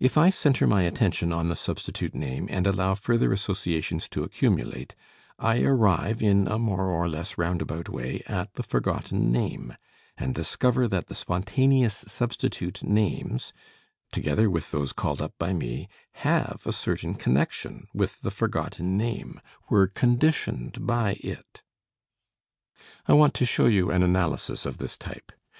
If I centre my attention on the substitute name and allow further associations to accumulate, I arrive in a more or less roundabout way at the forgotten name, and discover that the spontaneous substitute names, together with those called up by me, have a certain connection with the forgotten name, were conditioned by it. I want to show you an analysis of this type.